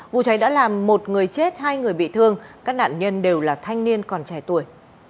vụ cháy đã làm một người chết hai người bị thương các nạn nhân đều là thanh niên còn trẻ tuổi